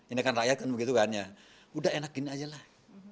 ini kan rakyat kan begitu kan ya udah enak gini aja lah